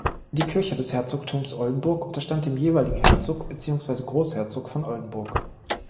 Die Kirche des Herzogtums Oldenburg unterstand dem jeweiligen Herzog beziehungsweise Großherzog von Oldenburg.